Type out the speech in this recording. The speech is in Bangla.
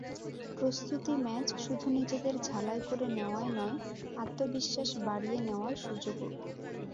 প্রস্তুতি ম্যাচ শুধু নিজেদের ঝালাই করে নেওয়াই নয়, আত্মবিশ্বাস বাড়িয়ে নেওয়ার সুযোগও।